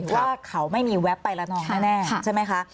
ว่าเขาไม่มีแว๊บไปละนองแน่ใช่ไหมคะ